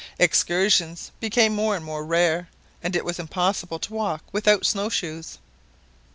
Excursions became more and more rare, and it was impossible to walk without snow shoes.